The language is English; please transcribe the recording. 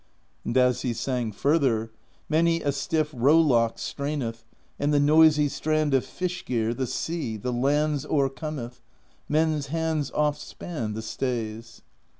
And as he sang further: Many a stiff rowlock straineth. And the noisy Strand of Fish Gear, The Sea, the lands o'ercometh : Men's hands oft span the stays.